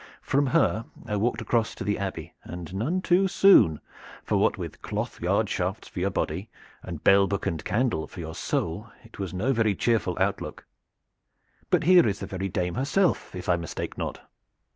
From her I walked across to the Abbey, and none too soon, for what with cloth yard shafts for your body, and bell, book and candle for your soul, it was no very cheerful outlook. But here is the very dame herself, if I mistake not."